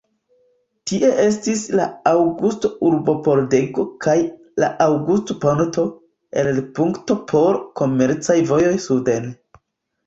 Tie estis la Aŭgusto-urbopordego kaj la Aŭgusto-ponto, elirpunkto por komercaj vojoj suden.